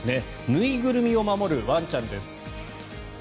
縫いぐるみを守るワンちゃんです。